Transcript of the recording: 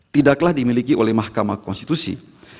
tidaklah dimiliki oleh mahkamah konstitusi